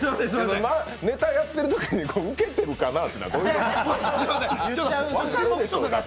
ネタやってるときに、ウケてるかな？というのは何？